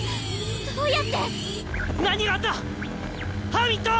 どうやって⁉何があった⁉ハーミット！